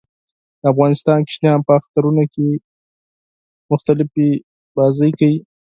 د افغانستان ماشومان په اخترونو کې مختلفي لوبې کوي